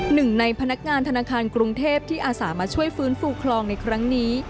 หนึ่งในพนักงานธนาคารกรุงเทพที่อาสามาช่วยฟื้นฟูคลองในครั้งนี้